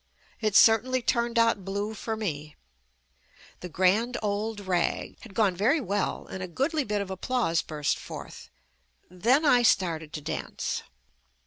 It certainly turned out blue for me. "The Grand Old Rag" had gone very well and a goodly bit of applause burst forth. Then I started to dance.